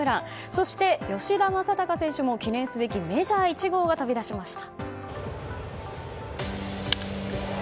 そして、吉田正尚選手も記念すべきメジャー１号が飛び出しました。